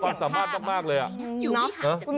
ความลับของแมวความลับของแมว